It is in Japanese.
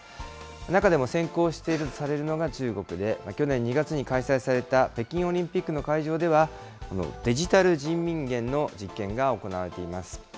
中でも先行しているとされるのが中国で、去年２月に開催された北京オリンピックの会場では、デジタル人民元の実験が行われています。